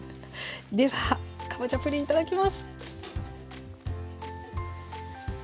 ではかぼちゃプリンいただきます。